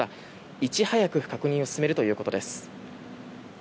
いち早く確認を進めるということです。